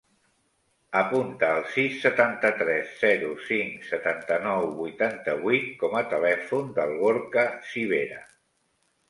Apunta el sis, setanta-tres, zero, cinc, setanta-nou, vuitanta-vuit com a telèfon del Gorka Civera.